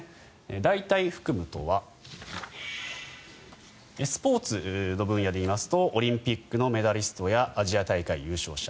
代替服務とはスポーツの分野でいいますとオリンピックのメダリストやアジア大会優勝者。